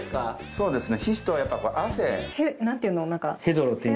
そうですね。